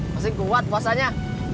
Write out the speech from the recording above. pasti kuat puasanya